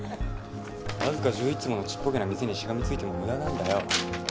わずか１１坪のちっぽけな店にしがみついても無駄なんだよ。